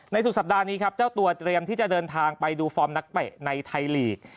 สุดสัปดาห์นี้ครับเจ้าตัวเตรียมที่จะเดินทางไปดูฟอร์มนักเตะในไทยลีก